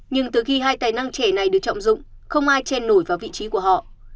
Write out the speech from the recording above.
nhưng từ khi hai tài năng trẻ này được trọng dụng không ai chen nổi vào vị trí của họ